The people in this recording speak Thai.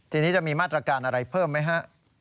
ทีนี้จะมีมาตรการอะไรเพิ่มไหมฮะ